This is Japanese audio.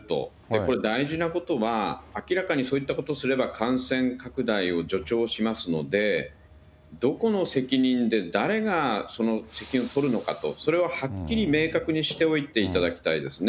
これ、大事なことは、明らかにそういったことをすれば感染拡大を助長しますので、どこの責任で、誰がその責任を取るのかと、それをはっきり明確にしておいていただきたいですね。